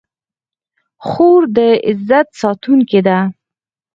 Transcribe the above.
خور د عزت ساتونکې ده.